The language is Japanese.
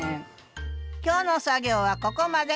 今日の作業はここまで。